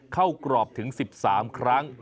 เข้ากรอบถึง๑๓ครั้ง